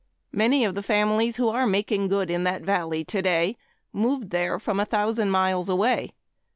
Many of the families, who are making good in that valley today, moved there from a thousand miles away.